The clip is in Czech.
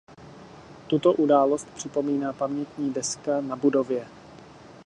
Tuto událost připomíná pamětní deska na budově.